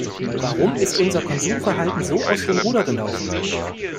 Warum ist unser Konsumverhalten so aus dem Ruder gelaufen?